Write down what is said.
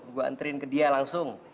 gue antriin ke dia langsung